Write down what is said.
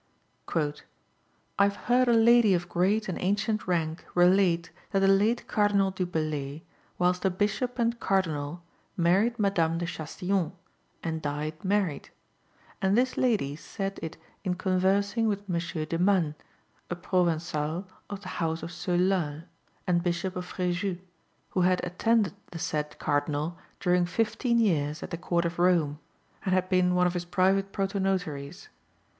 "I have heard a lady of great and ancient rank relate that the late Cardinal du Bellay, whilst a Bishop and Cardinal, married Madame de Chastillon, and died married; and this lady said it in conversing with Monsieur de Manne, a Provençal of the house of Seulal, and Bishop of Frejus, who had attended the said Cardinal during fifteen years at the Court of Rome, and had been one of his private protonotaries.